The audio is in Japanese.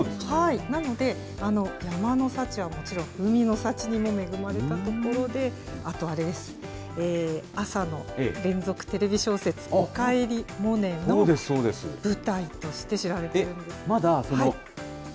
なので、山の幸はもちろん、海の幸にも恵まれた所で、あとあれです、朝の連続テレビ小説、おかえりモネの舞台として知られているんです。